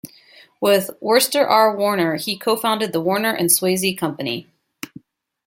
With Worcester R. Warner he co-founded the Warner and Swasey Company.